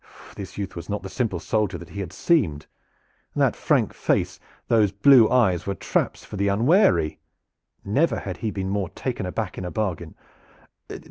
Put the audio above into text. This youth was not the simple soldier that he had seemed. That frank face, those blue eyes, were traps for the unwary. Never had he been more taken aback in a bargain.